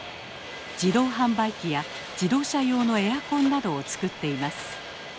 自動販売機や自動車用のエアコンなどを作っています。